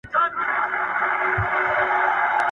پر مُلا ئې لمبول دي، بخښنه ئې پر خداى ده.